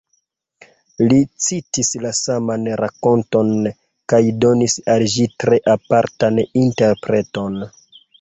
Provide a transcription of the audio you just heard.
Li citis la saman rakonton kaj donis al ĝi tre apartan interpreton.